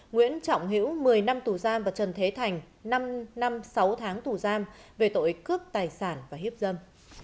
nguyễn trọng hữu một mươi năm tù giam và trần thế thành năm năm sáu tháng tù giam về tội cướp tài sản và hiếp dâm